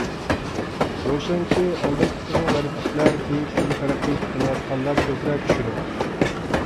روشەنكى، ئالدىنقىسىغا غەربلىكلەر، كېيىنكىسىگە تەرەققىي قىلىۋاتقانلار كۆپرەك چۈشىدۇ.